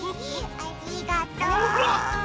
ありがとう！ほら！